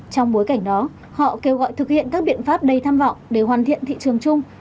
trong bối cảnh đó họ kêu gọi thực hiện các biện pháp đầy tham vọng để hoàn thiện thị trường chung